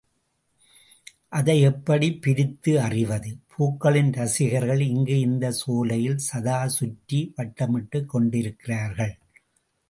அதை எப்படிப் பிரித்து அறிவது? பூக்களின் ரசிகர்கள் இங்கு இந்தச் சோலையில் சதா சுற்றி வட்டமிட்டுக் கொண்டிருக்கிறார்கள்.